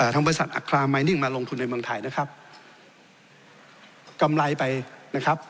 ทางบริษัทอัครามัยนิ่งมาลงทุนในเมืองไทยนะครับกำไรไปนะครับ